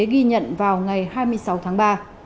ghi nhận vào ngày hai mươi sáu tháng ba